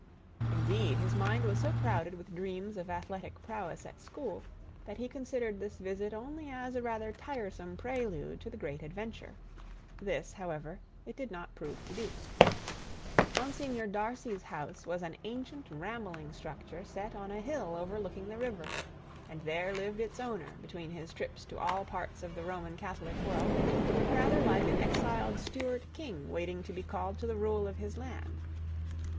Indeed, his mind was so crowded with dreams of athletic prowess at school that he considered this visit only as a rather tiresome prelude to the great adventure. This, however, it did not prove to be. Monsignor Darcy's house was an ancient, rambling structure set on a hill overlooking the river, and there lived its owner, between his trips to all parts of the Roman Catholic world, rather like an exiled Stuart king waiting to be called to the rule of his land.